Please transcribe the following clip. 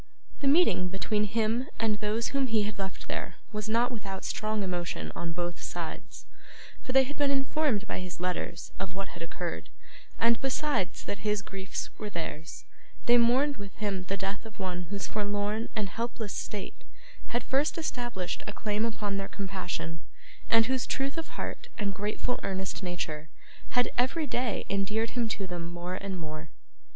The meeting between him and those whom he had left there was not without strong emotion on both sides; for they had been informed by his letters of what had occurred: and, besides that his griefs were theirs, they mourned with him the death of one whose forlorn and helpless state had first established a claim upon their compassion, and whose truth of heart and grateful earnest nature had, every day, endeared him to them more and more.